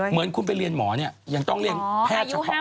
เหมือนคุณไปเรียนหมอเนี่ยยังต้องเรียนแพทย์เฉพาะ